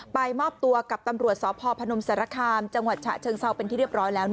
มอบตัวกับตำรวจสพพนมสารคามจังหวัดฉะเชิงเซาเป็นที่เรียบร้อยแล้ว